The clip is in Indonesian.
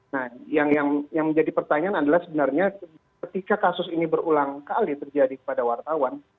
nah yang menjadi pertanyaan adalah sebenarnya ketika kasus ini berulang kali terjadi kepada wartawan